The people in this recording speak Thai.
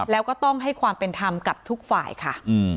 แล้วก็ต้องให้ความเป็นธรรมกับทุกฝ่ายค่ะ